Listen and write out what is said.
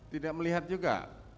tidak melihat juga